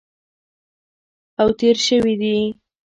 او تېر شوي دي